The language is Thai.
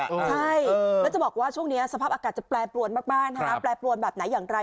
ใช่แล้วจะบอกว่าช่วงนี้สภาพอากาศจะแปรปรวนมากนะฮะแปรปรวนแบบไหนอย่างไร